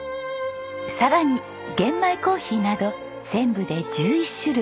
さらに玄米コーヒーなど全部で１１種類。